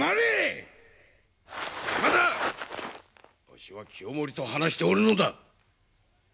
わしは清盛と話しておるのだ！